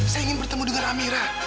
saya ingin bertemu dengan amira